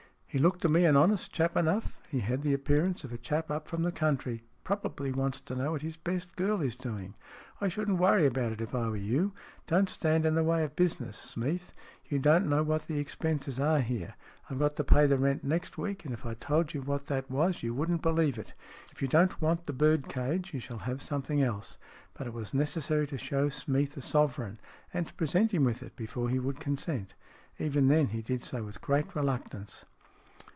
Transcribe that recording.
" He looked to me an honest man enough. He had the appearance of a chap up from the country. Probably wants to know what his best girl is doing. I shouldn't worry about it if I were you. Don't stand in the way of business, Smeath. You don't know what the expenses are here. I've got to pay the rent next week, and if I told you what that was, you wouldn't believe it. If you don't want the bird cage, you shall have something else." But it was necessary to show Smeath a sovereign, and to present him with it before he would consent. Even then, he did so with great reluctance.